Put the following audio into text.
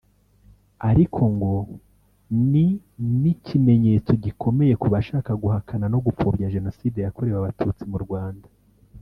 ariko ngo ni n’ikimenyetso gikomeye ku bashaka guhakana no gupfobya Jenoside yakorewe Abatutsi mu Rwanda